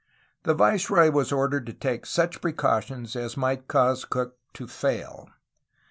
The viceroy was ordered to take such precautions as might cause Cook to fail.